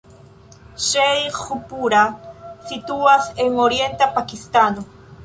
Ŝejĥupura situas en orienta Pakistano.